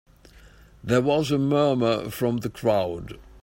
There was a murmur from the crowd.